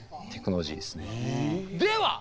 では！